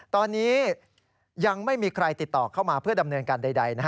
ตอนนี้ยังไม่มีใครติดต่อเข้ามาเพื่อดำเนินการใด